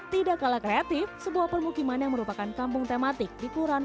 tidak kalah kreatif sebuah permukiman yang merupakan kampung tematik di kuran